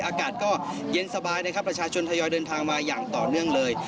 อากาศก็เย็นสบายนะครับประชาชนทยอยเดินทางมาอย่างต่อเนื่องเลย